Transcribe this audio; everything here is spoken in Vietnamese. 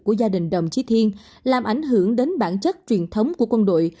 của gia đình đồng chí thiên làm ảnh hưởng đến bản chất truyền thống của quân đội